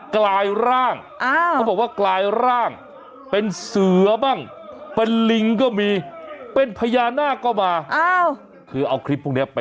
ฮ่าฮ่าฮ่าฮ่าฮ่าฮ่าฮ่าฮ่าฮ่าฮ่าฮ่าฮ่า